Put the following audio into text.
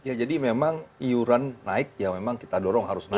ya jadi memang iuran naik ya memang kita dorong harus naik